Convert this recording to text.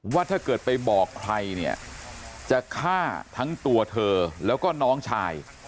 ว่าถ้าเกิดไปบอกใครเนี่ยจะฆ่าทั้งตัวเธอแล้วก็น้องชาย